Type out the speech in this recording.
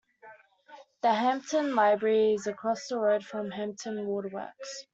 The Hampton library is across the road from Hampton Water Works.